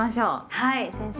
はい。